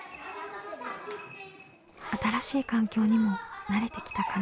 新しい環境にも慣れてきたかな？